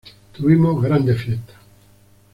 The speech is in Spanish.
Tuvimos grandes fiestas.